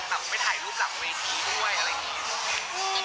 แบบไปถ่ายรูปหลังเวทีด้วยอะไรอย่างนี้